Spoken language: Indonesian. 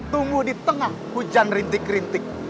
tunggu di tengah hujan rintik rintik